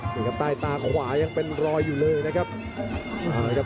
นี่ครับใต้ตาขวายังเป็นรอยอยู่เลยนะครับ